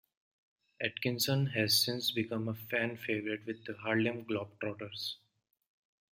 Atkinson has since become a fan favorite with the Harlem Globetrotters.